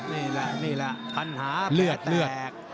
นี่แหละนี่แหละปัญหาเลือดแตก